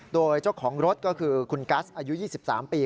โดยเจ้าของรถก็คือคุณกัสอายุ๒๓ปี